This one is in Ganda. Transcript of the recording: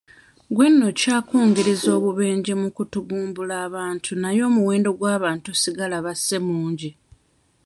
Gwe nno okyakungiriza bubenje mu kutugumbula abantu naye omuwendo gw'abantu ssigala basse mungi.